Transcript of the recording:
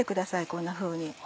こんなふうに。